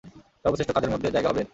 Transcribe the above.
সর্বশ্রেষ্ঠ কাজের মধ্যে জায়গা হবে এর।